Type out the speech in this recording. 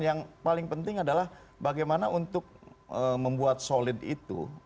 yang paling penting adalah bagaimana untuk membuat solid itu